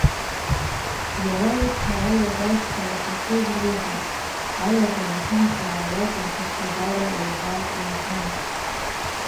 Иара ицны, аҩада ашьхарахь ицоз реиҳа, алада амшын ахь иаауаз рхыԥхьаӡара еиҳа еиҳан.